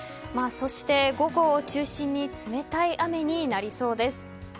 そして、午後を中心に冷たい雨になりそうです。